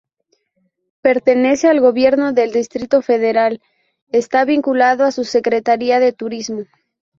Pertenece al Gobierno del Distrito Federal está vinculado a su Secretaría de Turismo.